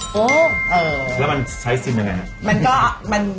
โอ้แล้วมันใช้ซิมยังไงฮะ